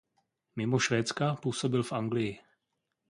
Mimo Švédska působil v Anglii.